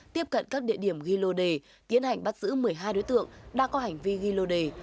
tiếp cận các địa điểm ghi lô đề tiến hành bắt giữ một mươi hai đối tượng đã có hành vi ghi lô đề